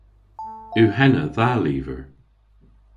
Yw henna dha lyver?